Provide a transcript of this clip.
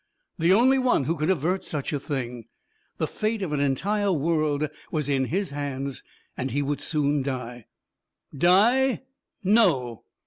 The only one who could avert such a thing. The fate of an entire world was in his hands. And he would soon die. Die? No!